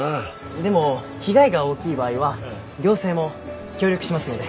でも被害が大きい場合は行政も協力しますので。